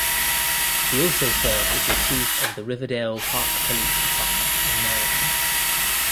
She also served as the chief of the Riverdale Park Police Department in Maryland.